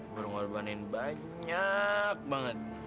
gua ngorbanin banyak banget